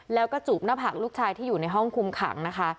แล้วก็จูบหน้าผักลูกชายที่อยู่ในห้องคุมขังนะคะ